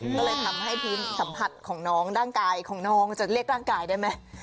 ก็เลยทำให้พื้นสัมผัสของน้องร่างกายของน้องจะเรียกร่างกายได้ไหม